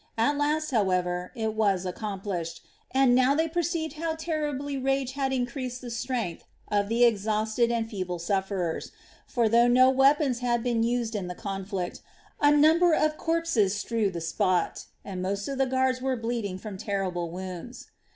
At last, however, it was accomplished, and they now perceived how terribly rage had increased the strength of the exhausted and feeble sufferers; for though no weapons had been used in the conflict a number of corpses strewed the spot, and most of the guards were bleeding from terrible wounds.